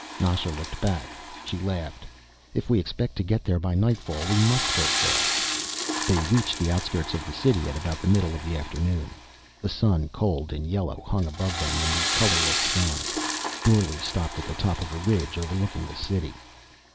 Nasha looked back. She laughed. "If we expect to get there by nightfall we must go fast." They reached the outskirts of the city at about the middle of the afternoon. The sun, cold and yellow, hung above them in the colorless sky. Dorle stopped at the top of a ridge overlooking the city.